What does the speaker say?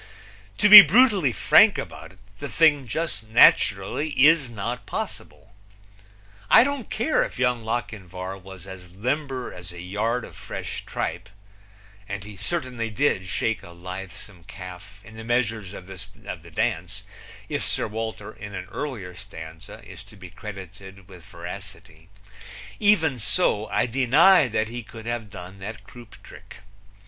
To be brutally frank about it, the thing just naturally is not possible. I don't care if Young Lochinvar was as limber as a yard of fresh tripe and he certainly did shake a lithesome calf in the measures of the dance if Sir Walter, in an earlier stanza, is to be credited with veracity. Even so, I deny that he could have done that croupe trick.